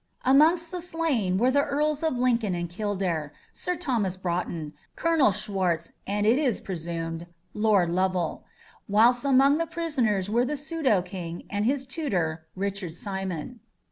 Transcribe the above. Amongst the slain were the Earls of Lincoln and Kildare, Sir Thomas Broughton, Colonel Swartz, and, it is presumed, Lord Lovel; whilst amongst the prisoners were the pseudo king, and his tutor, Richard Simon.